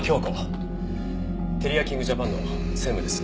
テリヤキング・ジャパンの専務です。